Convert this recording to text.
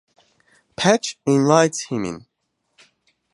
Patch invites him in.